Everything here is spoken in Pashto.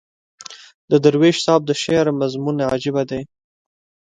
د درویش صاحب د شعر مضمون عجیبه دی.